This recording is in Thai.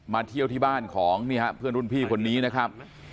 เที่ยวที่บ้านของนี่ฮะเพื่อนรุ่นพี่คนนี้นะครับ